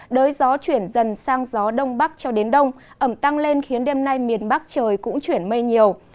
đới gió chuyển dần sang gió đông bắc cho đến đông ẩm tăng lên khiến đêm nay miền bắc trời cũng chuyển mây nhiều